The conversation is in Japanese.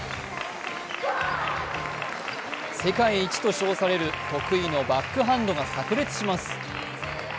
世界一と称される得意のバックハンドがさく裂します。